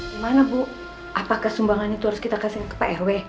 gimana bu apakah sumbangan itu harus kita kasih ke pak rw